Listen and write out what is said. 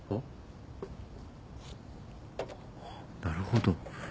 なるほど。